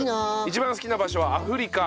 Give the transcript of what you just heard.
一番好きな場所はアフリカ。